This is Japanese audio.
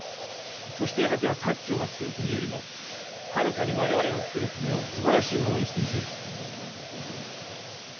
そしてやがては長が造る国よりもはるかに我々の造る国をすばらしいものにしてみせる。